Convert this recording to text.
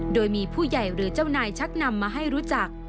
โดยมีผู้ใหญ่หรือเจ้านายชักนำมาให้รู้จัก